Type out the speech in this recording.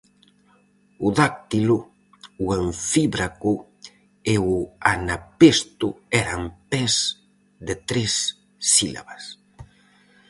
O dáctilo, o anfíbraco e o anapesto eran pés de tres sílabas.